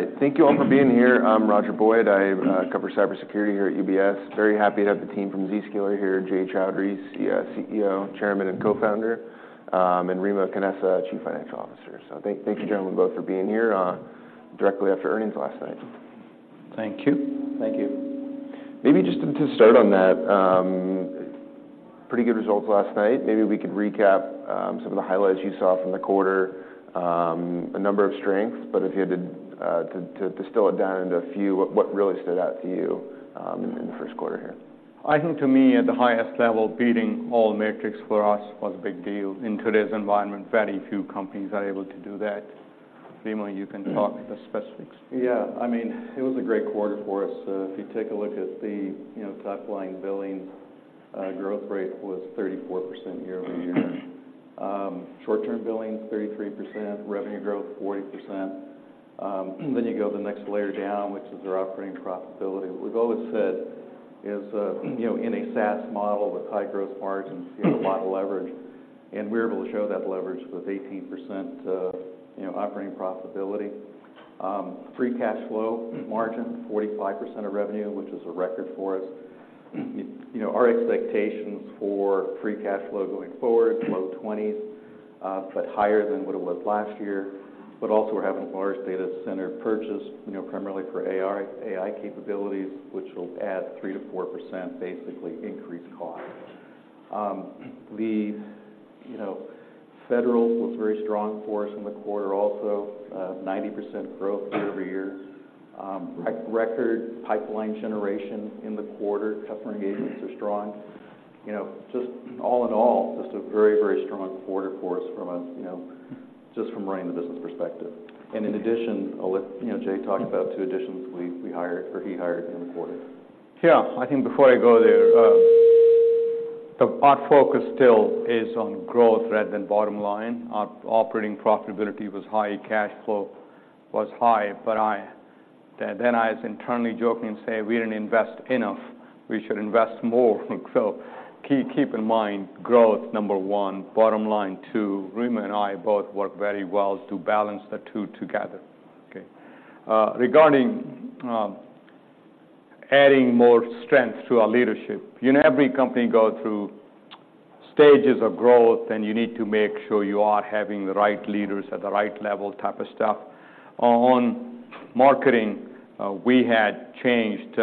All right, thank you all for being here. I'm Roger Boyd. I cover cybersecurity here at UBS. Very happy to have the team from Zscaler here, Jay Chaudhry, CEO, Chairman, and Co-Founder, and Remo Canessa, Chief Financial Officer. So thank you, gentlemen, both for being here directly after earnings last night. Thank you. Thank you. Maybe just to start on that, pretty good results last night. Maybe we could recap some of the highlights you saw from the quarter. A number of strengths, but if you had to distill it down into a few, what really stood out to you in the first quarter here? I think to me, at the highest level, beating all metrics for us was a big deal. In today's environment, very few companies are able to do that. Remo, you can talk the specifics. Yeah. I mean, it was a great quarter for us. If you take a look at the, you know, top-line billing, growth rate was 34% year-over-year. Short-term billing, 33%, revenue growth, 40%. Then you go the next layer down, which is our operating profitability. We've always said is, you know, in a SaaS model with high gross margins, you have a lot of leverage, and we're able to show that leverage with 18%, you know, operating profitability. Free cash flow margin, 45% of revenue, which is a record for us. You know, our expectations for free cash flow going forward, low 20%s, but higher than what it was last year. But also, we're having a large data center purchase, you know, primarily for AI, AI capabilities, which will add 3%-4%, basically increased cost. The, you know, Federal was very strong for us in the quarter also, 90% growth year-over-year. Record pipeline generation in the quarter. Customer engagements are strong. You know, just all in all, just a very, very strong quarter for us from a, you know, just from running the business perspective. And in addition, I'll let you know, Jay, talk about two additions we hired, or he hired in the quarter. Yeah. I think before I go there, our focus still is on growth rather than bottom line. Our operating profitability was high, cash flow was high, but then, then I was internally joking and say, "We didn't invest enough. We should invest more." So keep in mind, growth, number one, bottom line, two. Remo and I both work very well to balance the two together, okay? Regarding adding more strength to our leadership, you know, every company go through stages of growth, and you need to make sure you are having the right leaders at the right level, type of stuff. On marketing, we had changed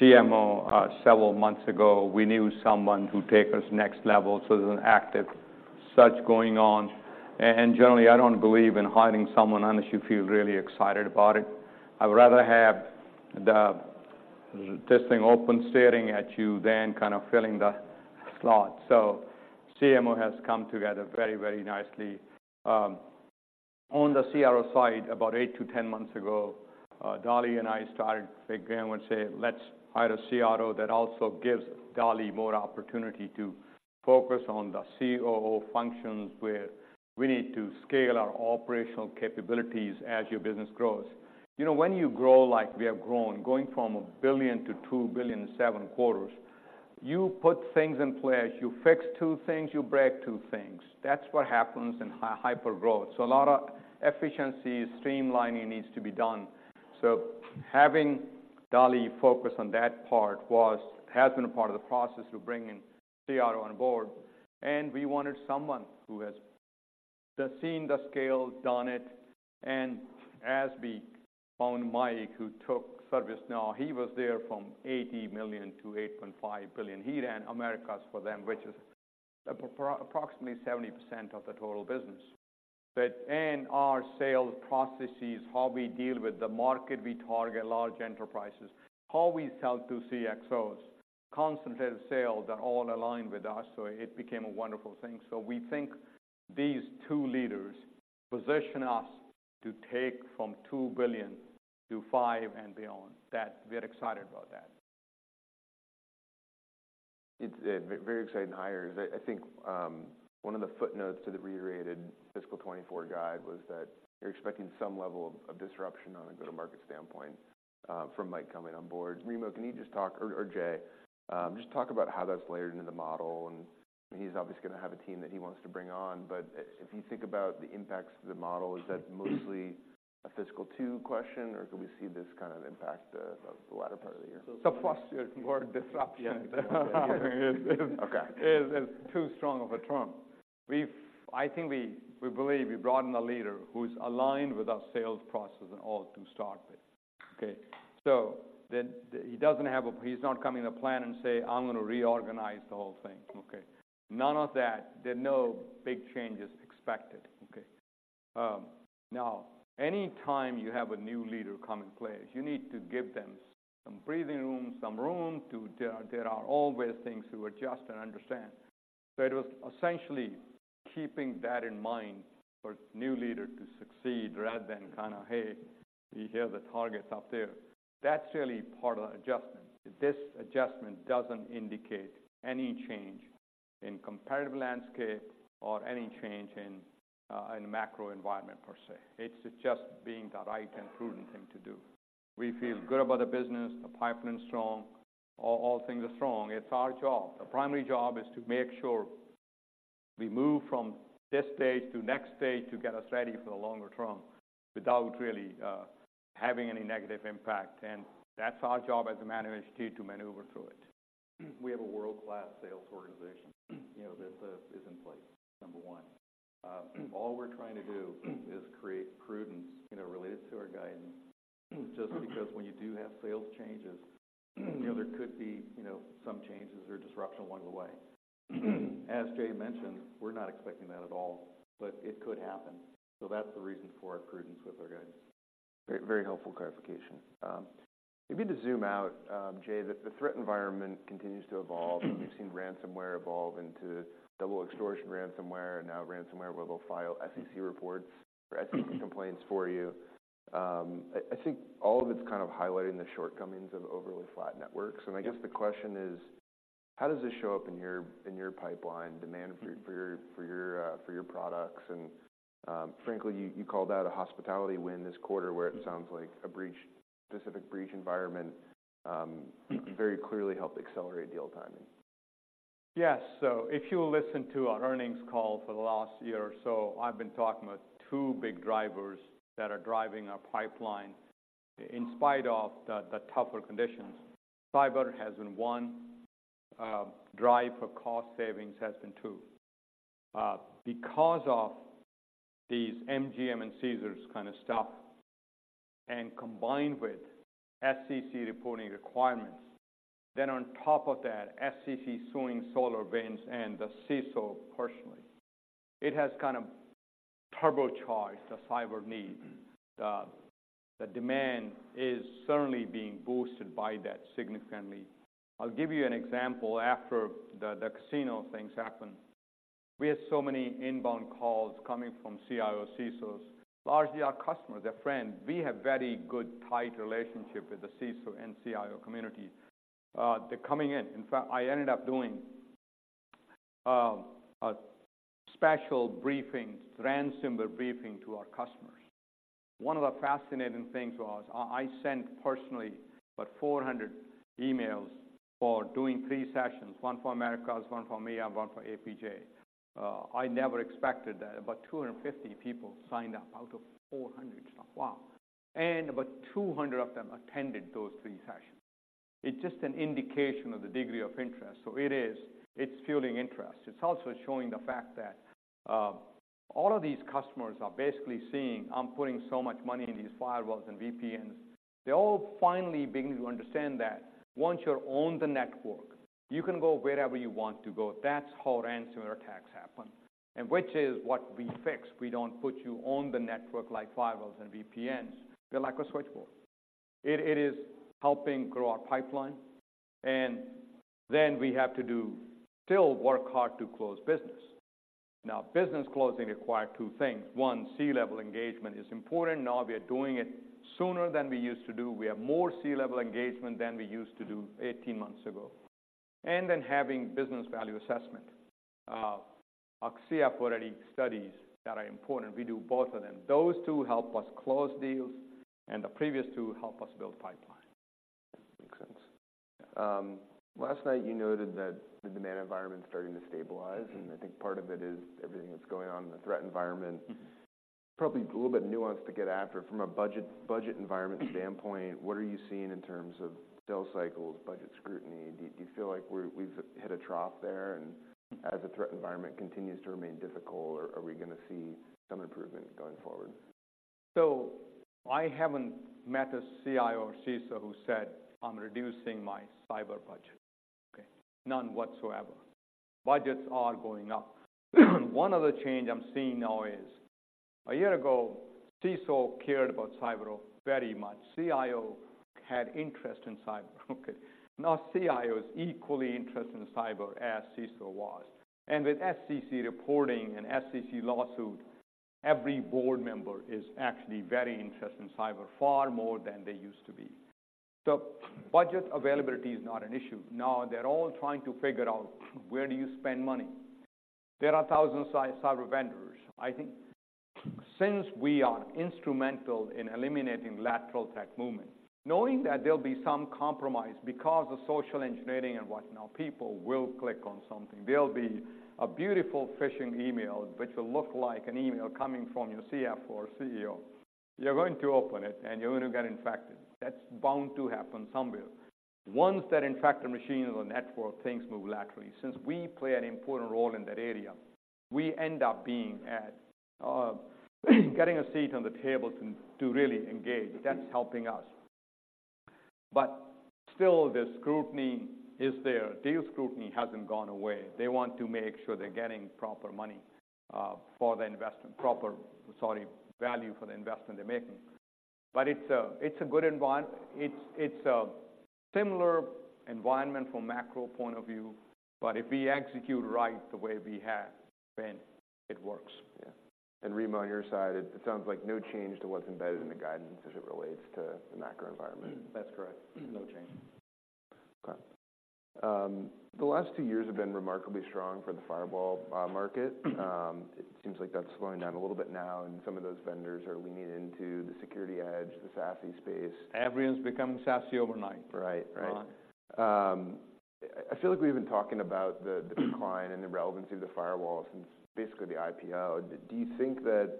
CMO several months ago. We knew someone who take us next level, so there's an active search going on. And generally, I don't believe in hiring someone unless you feel really excited about it. I would rather have the, this thing open, staring at you than kind of filling the slot. So CMO has come together very, very nicely. On the CRO side, about 8-10 months ago, Dali and I started again, we say, "Let's hire a CRO." That also gives Dali more opportunity to focus on the COO functions, where we need to scale our operational capabilities as your business grows. You know, when you grow like we have grown, going from $1 billion to $2 billion in seven quarters, you put things in place. You fix two things, you break two things. That's what happens in hypergrowth. So a lot of efficiency, streamlining needs to be done. So having Dali focus on that part has been a part of the process of bringing CRO on board, and we wanted someone who has seen the scale, done it. And as we found Mike, who took ServiceNow, he was there from $80 million-$8.5 billion. He ran Americas for them, which is approximately 70% of the total business. And our sales processes, how we deal with the market, we target large enterprises, how we sell to CXOs, concentrated sales are all aligned with us, so it became a wonderful thing. So we think these two leaders position us to take from $2 billion-$5 billion and beyond. That, we are excited about that. Very exciting hires. I think one of the footnotes to the reiterated fiscal 2024 guide was that you're expecting some level of disruption on a go-to-market standpoint from Mike coming on board. Remo, can you just talk, or Jay, just talk about how that's layered into the model, and he's obviously going to have a team that he wants to bring on. But if you think about the impacts to the model, is that mostly a fiscal Q2 question, or could we see this kind of impact the latter part of the year? The first word, disruption. Okay. Is too strong of a term. We've—I think we believe we brought in a leader who's aligned with our sales process and all to start with, okay? So he doesn't have a—he's not coming to plan and say, "I'm going to reorganize the whole thing." Okay. None of that. There are no big changes expected, okay? Now, any time you have a new leader come in place, you need to give them some breathing room, some room to... There are always things to adjust and understand. So it was essentially keeping that in mind for new leader to succeed, rather than kind of, "Hey, here, the target's up there." That's really part of the adjustment. This adjustment doesn't indicate any change in competitive landscape or any change in the macro environment per se. It's just being the right and prudent thing to do. We feel good about the business. The pipeline is strong. All, all things are strong. It's our job. The primary job is to make sure we move from this stage to next stage to get us ready for the longer term without really having any negative impact. And that's our job as a management team to maneuver through it. We have a world-class sales organization, you know, that is in place, number one. All we're trying to do is create prudence, you know, related to our guidance. Just because when you do have sales changes, you know, there could be, you know, some changes or disruption along the way. As Jay mentioned, we're not expecting that at all, but it could happen. So that's the reason for our prudence with our guidance. Very, very helpful clarification. Maybe to zoom out, Jay, the threat environment continues to evolve. We've seen ransomware evolve into double extortion ransomware, and now ransomware where they'll file SEC reports or SEC complaints for you. I think all of it's kind of highlighting the shortcomings of overly flat networks. Yes. I guess the question is: How does this show up in your pipeline demand for your products? Frankly, you called out a hospitality win this quarter, where it sounds like a breach-specific breach environment very clearly helped accelerate deal timing. Yes. So if you listen to our earnings call for the last year or so, I've been talking about two big drivers that are driving our pipeline in spite of the tougher conditions. Cyber has been one, drive for cost savings has been two. Because of these MGM and Caesars kind of stuff, and combined with SEC reporting requirements, then on top of that, SEC suing SolarWinds and the CISO personally, it has kind of turbocharged the cyber need. The demand is certainly being boosted by that significantly. I'll give you an example. After the casino things happened, we had so many inbound calls coming from CIOs, CISOs, largely our customers, they're friends. We have very good, tight relationship with the CISO and CIO communities. They're coming in. In fact, I ended up doing a special briefing, ransomware briefing, to our customers. One of the fascinating things was I sent personally about 400 emails for doing three sessions, one for Americas, one for MEA, and one for APJ. I never expected that, about 250 people signed up out of 400. Wow! About 200 of them attended those three sessions. It's just an indication of the degree of interest. It is, it's fueling interest. It's also showing the fact that all of these customers are basically seeing, "I'm putting so much money in these firewalls and VPNs." They're all finally beginning to understand that once you're on the network, you can go wherever you want to go. That's how ransomware attacks happen, and which is what we fix. We don't put you on the network like firewalls and VPNs. They're like a switchboard. It is helping grow our pipeline, and then we have to do still work hard to close business. Now, business closing require two things. One, C-level engagement is important. Now, we are doing it sooner than we used to do. We have more C-level engagement than we used to do 18 months ago. And then having Business Value Assessment. Our CFO-ready studies that are important. We do both of them. Those two help us close deals, and the previous two help us build pipeline. Makes sense. Last night you noted that the demand environment is starting to stabilize. I think part of it is everything that's going on in the threat environment. Probably a little bit nuanced to get after. From a budget environment standpoint, what are you seeing in terms of sales cycles, budget scrutiny? Do you feel like we've hit a trough there, and as the threat environment continues to remain difficult, or are we gonna see some improvement going forward? So I haven't met a CIO or CISO who said, "I'm reducing my cyber budget." Okay? None whatsoever. Budgets are going up. One of the change I'm seeing now is, a year ago, CISO cared about cyber very much. CIO had interest in cyber. Okay, now CIO is equally interested in cyber as CISO was. And with SEC reporting and SEC lawsuit, every board member is actually very interested in cyber, far more than they used to be. So budget availability is not an issue. Now, they're all trying to figure out: Where do you spend money? There are thousands of cyber vendors. I think since we are instrumental in eliminating lateral threat movement, knowing that there'll be some compromise because of social engineering and whatnot, people will click on something. There'll be a beautiful phishing email, which will look like an email coming from your CFO or CEO. You're going to open it, and you're going to get infected. That's bound to happen somewhere. Once that infected machine is on network, things move laterally. Since we play an important role in that area, we end up being at, getting a seat on the table to, to really engage. That's helping us. But still, the scrutiny is there. Deal scrutiny hasn't gone away. They want to make sure they're getting proper money, for the investment. Proper, sorry, value for the investment they're making. But it's a, it's a good environment. It's, it's a similar environment from macro point of view, but if we execute right the way we have, then it works. Yeah. Remo, on your side, it sounds like no change to what's embedded in the guidance as it relates to the macro environment. That's correct. No change. Okay. The last two years have been remarkably strong for the firewall market. It seems like that's slowing down a little bit now, and some of those vendors are leaning into the security edge, the SASE space. Everyone's becoming SASE overnight. Right. Right. Right. I feel like we've been talking about the decline and the relevancy of the firewall since basically the IPO. Do you think that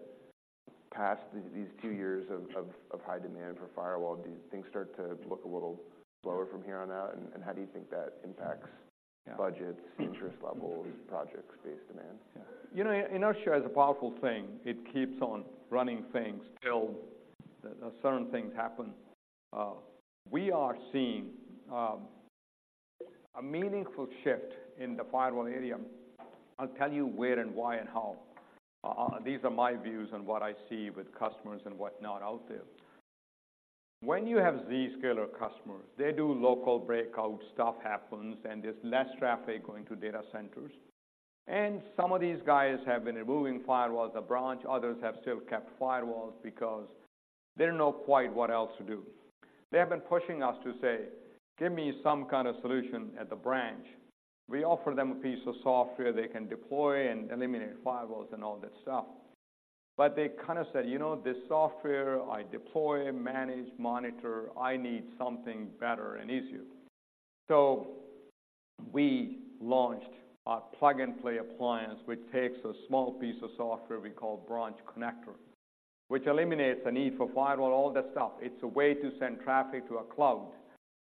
past these two years of high demand for firewall, do things start to look a little slower from here on out? And how do you think that impacts budgets, interest levels, projects, base demand? Yeah. You know, inertia is a powerful thing. It keeps on running things till certain things happen. We are seeing a meaningful shift in the firewall area. I'll tell you where and why and how. These are my views on what I see with customers and whatnot out there. When you have Zscaler customers, they do local breakout, stuff happens, and there's less traffic going to data centers. And some of these guys have been removing firewalls at branch, others have still kept firewalls because they don't know quite what else to do. They have been pushing us to say, "Give me some kind of solution at the branch." We offer them a piece of software they can deploy and eliminate firewalls and all that stuff. But they kind of said, "You know, this software I deploy, manage, monitor, I need something better and easier." So we launched a plug-and-play appliance, which takes a small piece of software we call Branch Connector, which eliminates the need for firewall, all that stuff. It's a way to send traffic to a cloud.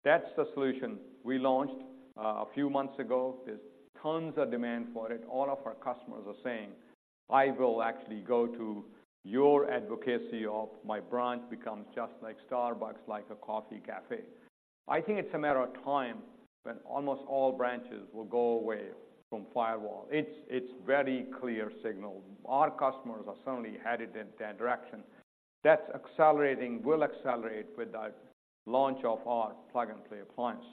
That's the solution we launched a few months ago. There's tons of demand for it. All of our customers are saying, "I will actually go to your advocacy of my branch becomes just like Starbucks, like a coffee cafe." I think it's a matter of time when almost all branches will go away from firewall. It's a very clear signal. Our customers are certainly headed in that direction. That's accelerating, will accelerate with the launch of our plug-and-play appliance.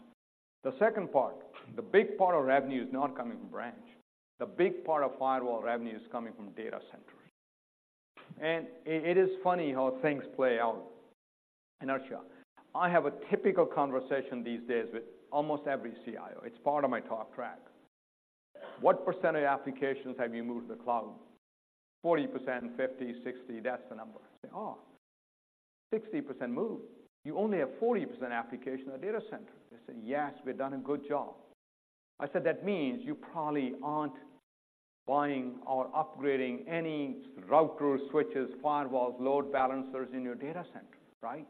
The second part, the big part of revenue is not coming from branch. The big part of firewall revenue is coming from data centers. It is funny how things play out, inertia. I have a typical conversation these days with almost every CIO. It's part of my talk track. "What percent of your applications have you moved to the cloud?" "40%, 50%, 60%, that's the number." I say, "Oh, 60% moved. You only have 40% application at data center." They say, "Yes, we've done a good job." I said, "That means you probably aren't buying or upgrading any routers, switches, firewalls, load balancers in your data center, right?"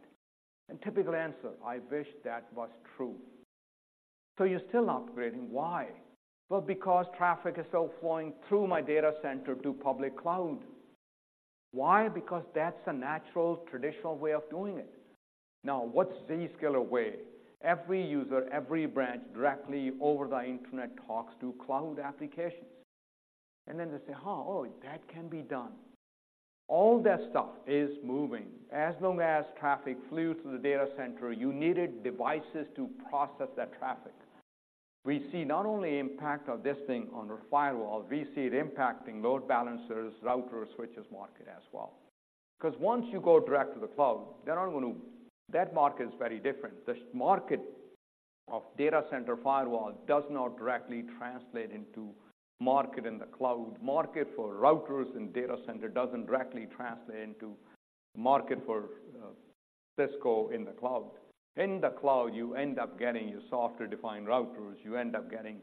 Typical answer, "I wish that was true." "So you're still upgrading. Why?" "Well, because traffic is still flowing through my data center to public cloud." Why? Because that's the natural, traditional way of doing it. Now, what's Zscaler way? Every user, every branch, directly over the Internet, talks to cloud applications. And then they say, "Oh, oh, that can be done." All that stuff is moving. As long as traffic flew through the data center, you needed devices to process that traffic. We see not only impact of this thing on the firewall, we see it impacting load balancers, routers, switches market as well. Because once you go direct to the cloud, they're not going to... That market is very different. The market of data center firewall does not directly translate into market in the cloud. Market for routers in data center doesn't directly translate into market for Cisco in the cloud. In the cloud, you end up getting your software-defined routers, you end up getting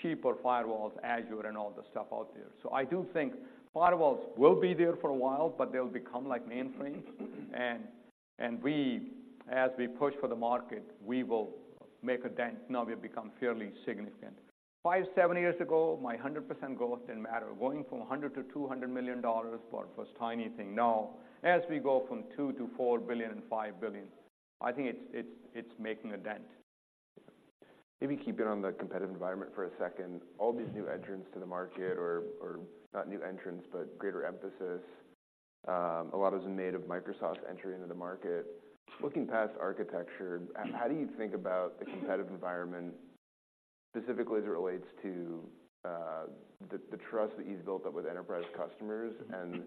cheaper firewalls, Azure, and all the stuff out there. So I do think firewalls will be there for a while, but they'll become like mainframes. And we, as we push for the market, we will make a dent. Now, we have become fairly significant. Five to seven years ago, 100% growth didn't matter. Going from $100 million-$200 million, well, it was tiny thing. Now, as we go from $2 billion-$4 billion and $5 billion, I think it's making a dent. Maybe keeping on the competitive environment for a second. All these new entrants to the market or, or not new entrants, but greater emphasis, a lot has been made of Microsoft entering into the market. Looking past architecture, how do you think about the competitive environment, specifically as it relates to the trust that you've built up with enterprise customers and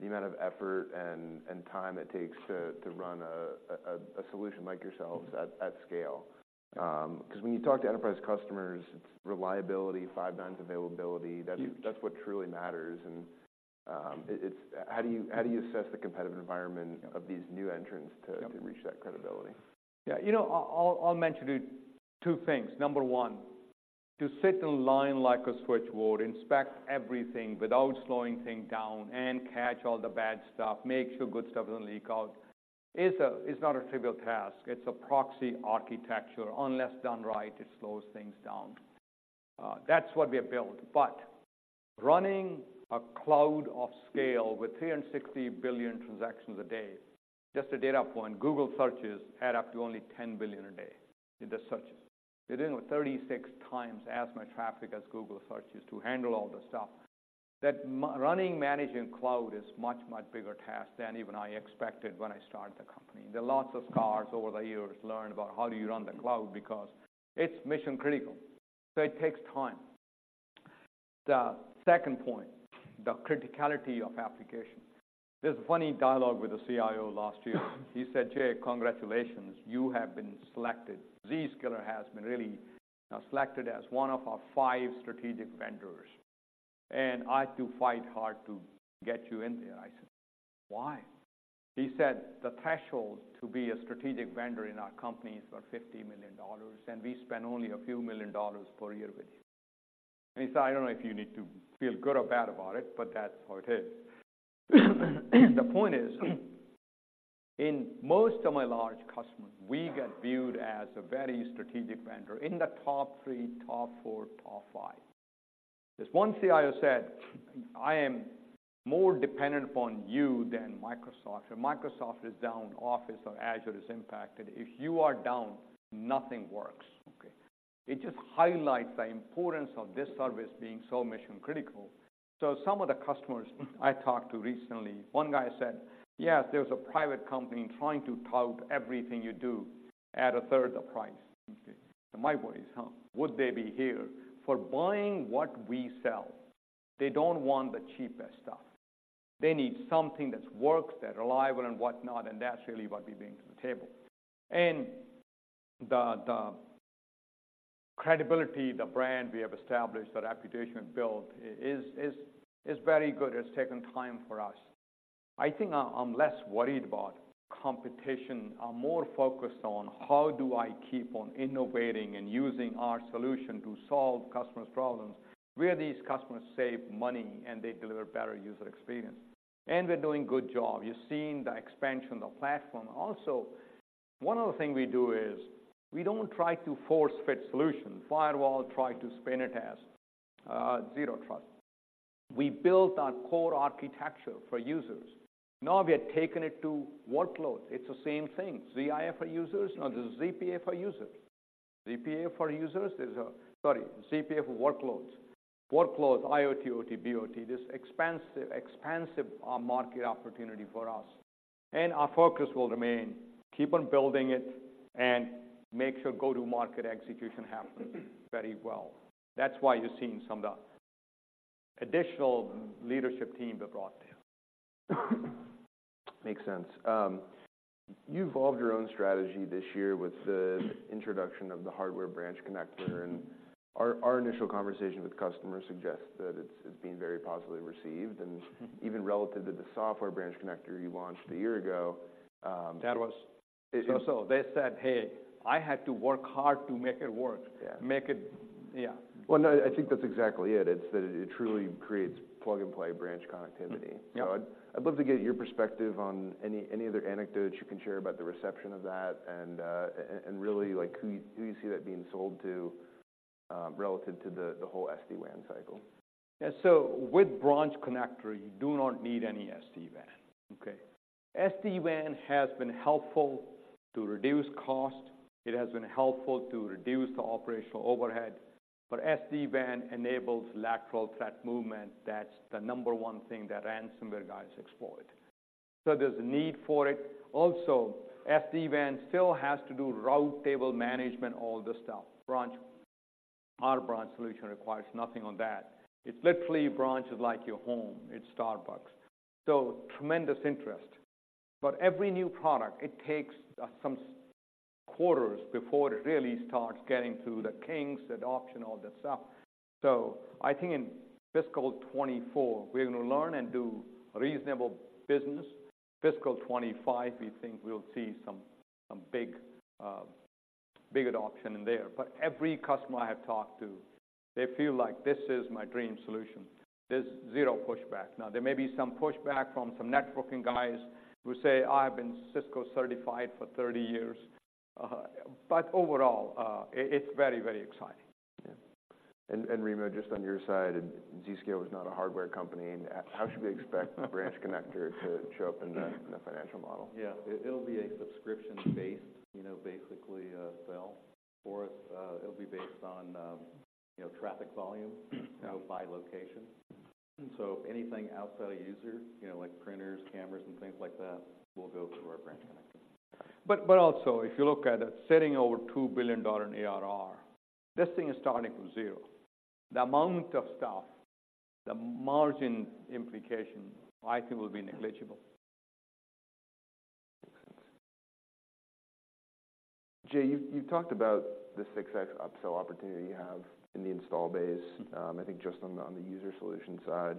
the amount of effort and time it takes to run a solution like yourselves at scale? 'Cause when you talk to enterprise customers, reliability, Five Nines availability, that's what truly matters. And it, it's... How do you assess the competitive environment of these new entrants to- Yep. to reach that credibility? Yeah, you know, I'll, I'll mention it, two things. Number one, to sit in line like a switchboard, inspect everything without slowing things down, and catch all the bad stuff, make sure good stuff doesn't leak out, is not a trivial task. It's a proxy architecture. Unless done right, it slows things down. That's what we have built. But running a cloud of scale with 360 billion transactions a day, just a data point, Google searches add up to only 10 billion a day in the searches. Dealing with 36x as much traffic as Google searches to handle all the stuff, running, managing cloud is much, much bigger task than even I expected when I started the company. There are lots of scars over the years, learned about how do you run the cloud, because it's mission-critical, so it takes time. The second point, the criticality of application. There's a funny dialogue with a CIO last year. He said, “Jay, congratulations, you have been selected. Zscaler has been really selected as one of our five strategic vendors, and I had to fight hard to get you in there.” I said, “Why?” He said, “The threshold to be a strategic vendor in our company is about $50 million, and we spend only a few million dollars per year with you.”... And so I don't know if you need to feel good or bad about it, but that's how it is. The point is, in most of my large customers, we get viewed as a very strategic vendor in the top three, top four, top five. As one CIO said, “I am more dependent upon you than Microsoft. If Microsoft is down, Office or Azure is impacted.” If you are down, nothing works." Okay? It just highlights the importance of this service being so mission-critical. So some of the customers I talked to recently, one guy said, "Yes, there's a private company trying to tout everything you do at a third of the price." So my worry is, huh, would they be here for buying what we sell? They don't want the cheapest stuff. They need something that works, they're reliable and whatnot, and that's really what we bring to the table. And the credibility, the brand we have established, the reputation we've built is very good. It's taken time for us. I think I'm less worried about competition. I'm more focused on how do I keep on innovating and using our solution to solve customers' problems, where these customers save money and they deliver better user experience. And we're doing good job. You've seen the expansion of the platform. Also, one of the things we do is we don't try to force-fit solution. Firewall, try to spin it as Zero Trust. We built our core architecture for users. Now, we have taken it to workload. It's the same thing. ZIA for users, now there's ZPA for users. ZPA for users, there's a—Sorry, ZPA for workloads. Workloads, IoT, OT, BoT, this expansive, expansive market opportunity for us. And our focus will remain, keep on building it and make sure go-to-market execution happens very well. That's why you're seeing some of the additional leadership team we brought in. Makes sense. You evolved your own strategy this year with the introduction of the hardware Branch Connector, and our initial conversation with customers suggests that it's being very positively received. And even relative to the software Branch Connector you launched a year ago, That was so, so. They said, "Hey, I had to work hard to make it work. Yeah. Make it... Yeah. Well, no, I think that's exactly it. It's that it truly creates plug-and-play branch connectivity. Yeah. So I'd love to get your perspective on any other anecdotes you can share about the reception of that and really, like, who you see that being sold to, relative to the whole SD-WAN cycle? Yeah. So with Branch Connector, you do not need any SD-WAN, okay? SD-WAN has been helpful to reduce cost, it has been helpful to reduce the operational overhead, but SD-WAN enables lateral threat movement. That's the number one thing that ransomware guys exploit. So there's a need for it. Also, SD-WAN still has to do route table management, all this stuff. Branch, our branch solution requires nothing on that. It's literally branches like your home, it's Starbucks. So tremendous interest, but every new product, it takes some quarters before it really starts getting through the kinks, adoption, all that stuff. So I think in fiscal 2024, we're going to land and do reasonable business. Fiscal 2025, we think we'll see some big adoption in there. But every customer I have talked to, they feel like, "This is my dream solution." There's zero pushback. Now, there may be some pushback from some networking guys who say, "I've been Cisco certified for 30 years." But overall, it's very, very exciting. Yeah. And Remo, just on your side, Zscaler is not a hardware company. How should we expect the Branch Connector to show up in the financial model? Yeah. It, it'll be a subscription-based, you know, basically, sell for us. It'll be based on, you know, traffic volume, you know, by location. So anything outside a user, you know, like printers, cameras, and things like that, will go through our Branch Connector. But, but also, if you look at it, sitting over $2 billion in ARR, this thing is starting from zero. The amount of stuff, the margin implication, I think, will be negligible. Makes sense. Jay, you've talked about the 6x upsell opportunity you have in the install base, I think just on the user solution side.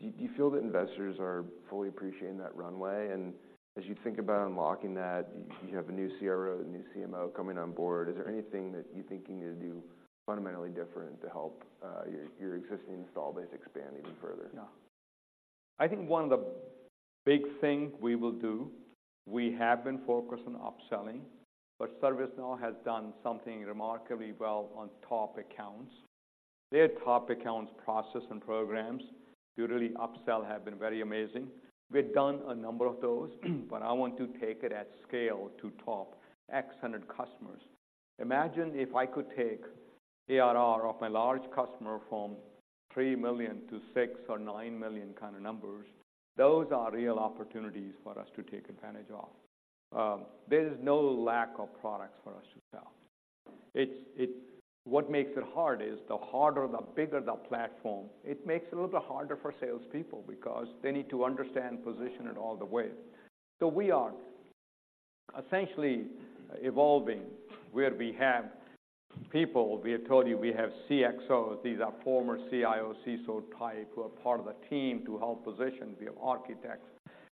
Do you feel that investors are fully appreciating that runway? And as you think about unlocking that, you have a new CRO, the new CMO coming on board, is there anything that you think you need to do fundamentally different to help your existing install base expand even further? Yeah. I think one of the big thing we will do, we have been focused on upselling, but ServiceNow has done something remarkably well on top accounts. Their top accounts process and programs to really upsell have been very amazing. We've done a number of those, but I want to take it at scale to top X hundred customers. Imagine if I could take ARR of my large customer from $3 million-$6 million or $9 million kind of numbers. Those are real opportunities for us to take advantage of. There is no lack of products for us to sell. It's, it-- What makes it hard is, the harder, the bigger the platform, it makes it a little bit harder for salespeople because they need to understand, position it all the way. So we are essentially evolving where we have people... We have told you, we have CXOs. These are former CIO, CISO type, who are part of the team to help position via architects.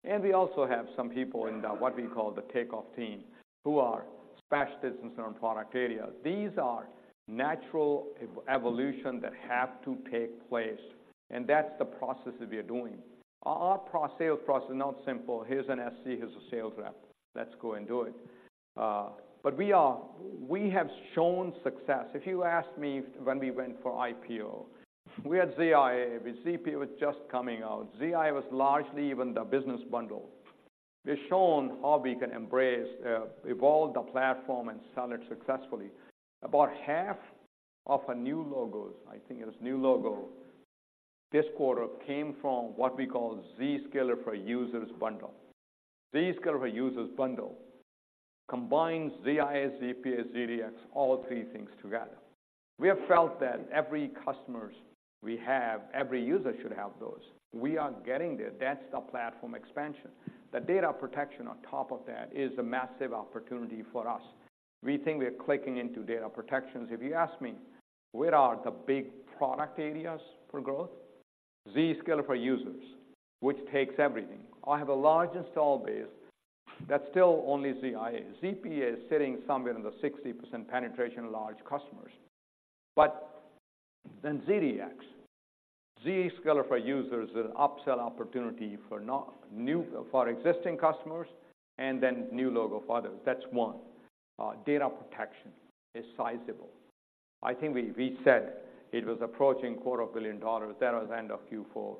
We also have some people in the, what we call the takeoff team, who are specialists in certain product areas. These are natural evolution that have to take place, and that's the process that we are doing. Our pre-sales process is not simple. Here's an SC, here's a sales rep, let's go and do it. But we are—we have shown success. If you asked me when we went for IPO, we had ZIA, with ZPA was just coming out. ZIA was largely even the business bundle. We've shown how we can embrace, evolve the platform and sell it successfully. About half of our new logos, I think it was new logo this quarter, came from what we call Zscaler for Users bundle. Zscaler for Users bundle combines ZIA, ZPA, ZDX, all three things together. We have felt that every customers we have, every user should have those. We are getting there. That's the platform expansion. The data protection on top of that is a massive opportunity for us. We think we are clicking into data protections. If you ask me, where are the big product areas for growth? Zscaler for Users, which takes everything. I have a large install base that's still only ZIA. ZPA is sitting somewhere in the 60% penetration large customers. But then ZDX, Zscaler for Users, is an upsell opportunity for not new- for existing customers and then new logo for others. That's one. Data protection is sizable. I think we, we said it was approaching $250 million. That was end of Q4.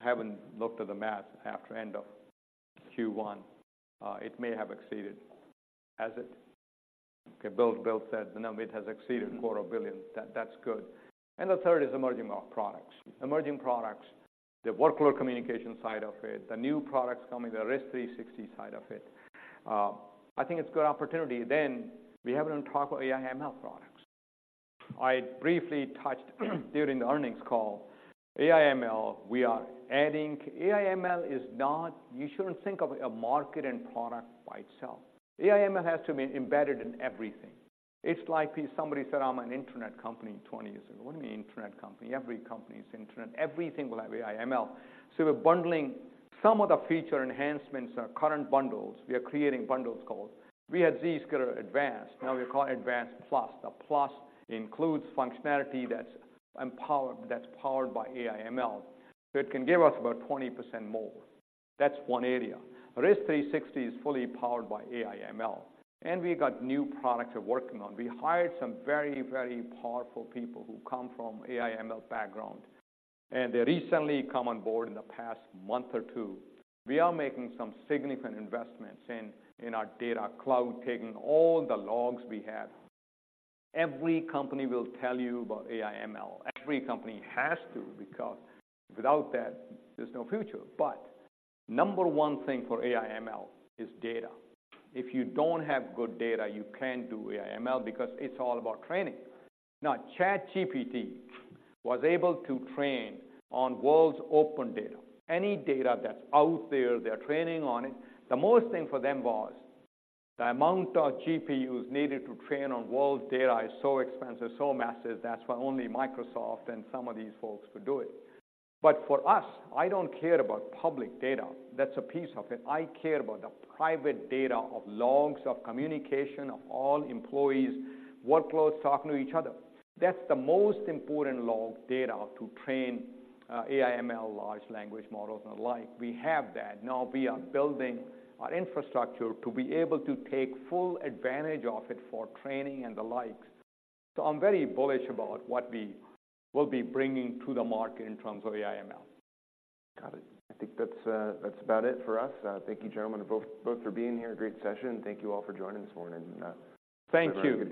I haven't looked at the math after end of Q1. It may have exceeded, has it? Okay, Bill, Bill said the number, it has exceeded $250 million. That's good. The third is emerging products. Emerging products, the workload communication side of it, the new products coming, the Risk360 side of it. I think it's a good opportunity. Then we haven't even talked about AI/ML products. I briefly touched during the earnings call. AI/ML, we are adding. AI/ML is not, you shouldn't think of a market and product by itself. AI/ML has to be embedded in everything. It's like if somebody said, "I'm an Internet company," 20 years ago. What do you mean Internet company? Every company is Internet. Everything will have AI/ML. So we're bundling some of the feature enhancements, our current bundles. We are creating bundles called we had Zscaler Advanced, now we call it Advanced Plus. The Plus includes functionality that's empowered, that's powered by AI/ML. So it can give us about 20% more. That's one area. Risk360 is fully powered by AI/ML, and we got new products we're working on. We hired some very, very powerful people who come from AI/ML background, and they recently come on board in the past month or two. We are making some significant investments in, in our data cloud, taking all the logs we have. Every company will tell you about AI/ML. Every company has to, because without that, there's no future. But number one thing for AI/ML is data. If you don't have good data, you can't do AI/ML because it's all about training. Now, ChatGPT was able to train on world's open data. Any data that's out there, they're training on it. The most thing for them was the amount of GPUs needed to train on world data is so expensive, so massive. That's why only Microsoft and some of these folks could do it. But for us, I don't care about public data. That's a piece of it. I care about the private data of logs, of communication, of all employees, workloads, talking to each other. That's the most important log data to train AI/ML, large language models, and the like. We have that. Now we are building our infrastructure to be able to take full advantage of it for training and the like. So I'm very bullish about what we will be bringing to the market in terms of AI/ML. Got it. I think that's, that's about it for us. Thank you, gentlemen, both for being here. Great session, and thank you all for joining this morning, and- Thank you.